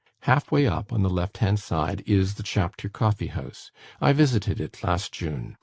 Half way up, on the left hand side, is the Chapter Coffee house. I visited it last June.